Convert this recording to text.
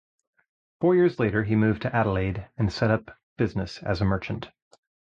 Four years later he moved to Adelaide and set up business as a merchant.